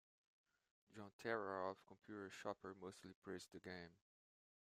John Terra of "Computer Shopper" mostly praised the game.